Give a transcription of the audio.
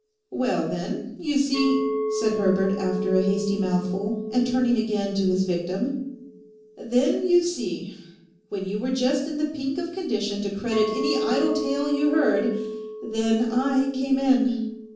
'Well, then, you see,' said Herbert over a hasty mouthful, and turning again to his victim—'then you see, when you were just in the pink of condition to credit any idle tale you heard, then I came in.